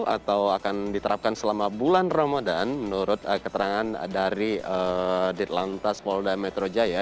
atau akan diterapkan selama bulan ramadan menurut keterangan dari ditlantas polda metro jaya